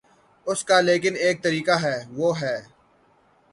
اس کا لیکن ایک طریقہ ہے، وہ ہے۔